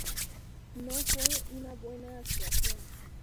No fue una buena actuación.